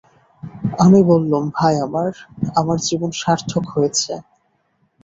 আমি বললুম, ভাই আমার, আমার জীবন সার্থক হয়েছে।